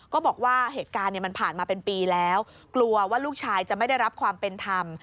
ก็บอกว่าเหตุการณ์มันผ่านมาเป็นปีแล้วกลัวว่าลูกชายจะไม่ได้รับความเป็นธรรม